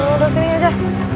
udah sini aja